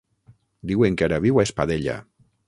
Diuen que ara viu a Espadella.